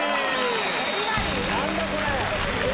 何だこれ。